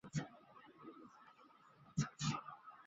黑暗豹蛛为狼蛛科豹蛛属的动物。